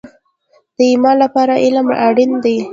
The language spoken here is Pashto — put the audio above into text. د ایمان لپاره علم اړین دی